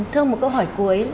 thưa ông một câu hỏi cuối